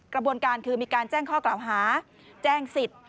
กระบวนการคือมีการแจ้งข้อกล่าวหาแจ้งสิทธิ์